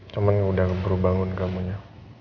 cuman udah baru bangun kamunya